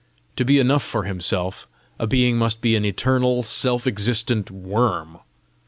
To be enough for himself, a being must be an eternal, self existent worm!